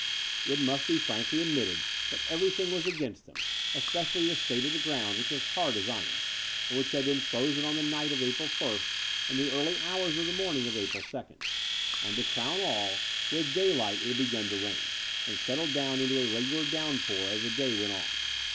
It must be frankly admitted that everything was against them, especially the state of the ground, which was as hard as iron, and had been frozen on the night of April ist and the early hours of the morning of April 2nd; and, to crown all, with daylight it had begun to rain, and settled down into a regular downpotir as the day went on.